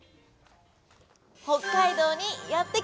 北海道にやって来ました。